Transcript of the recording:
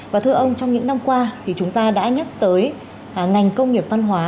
và thưa ông trong những năm qua thì chúng ta đã nhắc tới ngành công nghiệp văn hóa